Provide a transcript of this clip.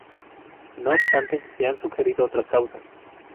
No obstante se han sugerido otras causas.